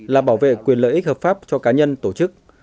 là bảo vệ quyền lợi ích hợp pháp cho cá nhân tổ chức